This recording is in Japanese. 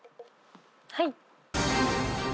はい。